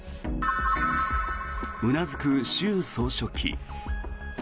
うなずく習総書記。